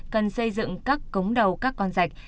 cần xây dựng các cống đầu các con rạch